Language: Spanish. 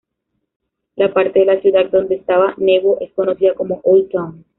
La parte de la ciudad donde estaba Nebo es conocida como "Old Town".